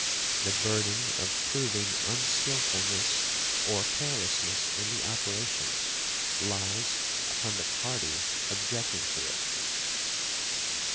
The burden of proving unskilfulness or carelessness in the operation lies upon the party objecting to it .